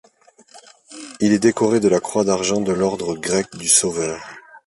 Il est décoré de la Croix d’argent de l’ordre grec du Sauveur.